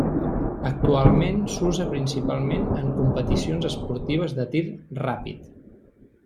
Actualment, s'usa principalment en competicions esportives de tir ràpid.